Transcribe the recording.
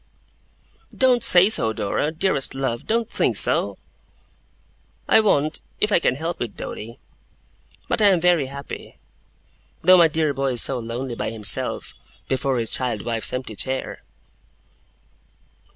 'Don't say so, Dora! Dearest love, don't think so!' 'I won't, if I can help it, Doady. But I am very happy; though my dear boy is so lonely by himself, before his child wife's empty chair!